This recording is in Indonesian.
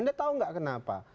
anda tahu nggak kenapa